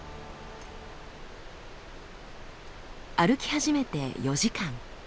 歩き始めて４時間。